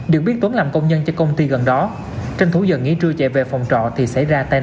được biết tuấn làm công nhân cho công ty gần đó tranh thủ giờ nghỉ trưa chạy về phòng trọ thì xảy ra tai nạn